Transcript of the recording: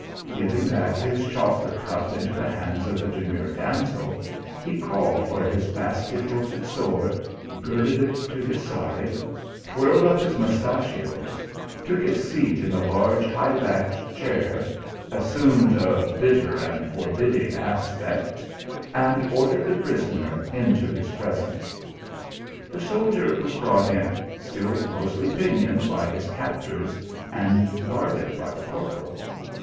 Giving back his chocolate cup into the hands "of the demure damsel, he called for his basket hilted sword, girded it to his side, twirled up his mustachios, took his seat in a large high backed chair, assumed a bitter and forbidding aspect, and ordered the prisoner into his presence. The soldier was brought in, still closely pinioned by his captors, GOVERNOR JfAMu AXD SOLDIER. 253 and guarded by the corporal.